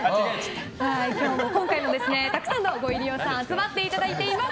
今回もたくさんのご入り用さんが集まっていただいています。